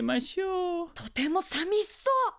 とてもさみしそう！